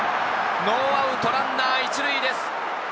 ノーアウトランナー１塁です。